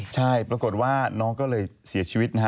ใช่ปรากฏว่าน้องก็เลยเสียชีวิตนะฮะ